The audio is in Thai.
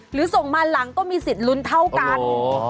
ส่งมาหลังก็มีสิทธิ์ลุ้นเท่ากัน